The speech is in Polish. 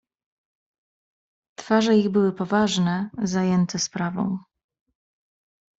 "Twarze ich były poważne, zajęte sprawą."